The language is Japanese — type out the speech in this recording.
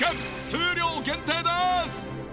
数量限定です！